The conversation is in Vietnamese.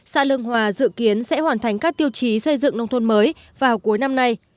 xã lương hòa dự kiến sẽ hoàn thành các tiêu chí xây dựng nông thôn mới vào cuối năm nay